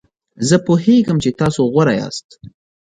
زه پوهیږم چې تاسو غوره یاست.